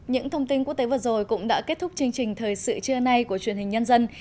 những thông tin quốc tế vừa rồi cũng đã kết thúc chương trình thời sự trưa nay của truyền hình nhân dân